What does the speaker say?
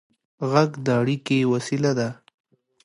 غږ د اړیکې وسیله ده.